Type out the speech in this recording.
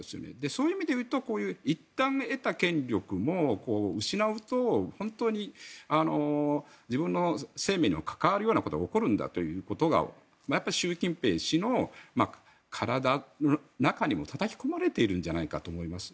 そういう意味で言うといったん得た権力も失うと本当に自分の生命にも関わるようなことが起こるんだということが習近平氏の体の中にたたき込まれているんじゃないかと思います。